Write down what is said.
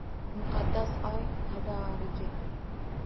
Muqaddas oy tadorigi